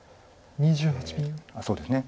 あっそうですね。